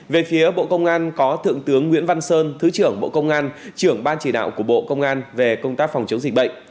về phía bộ công an có thượng tướng nguyễn văn sơn thứ trưởng bộ công an trưởng ban chỉ đạo của bộ công an về công tác phòng chống dịch bệnh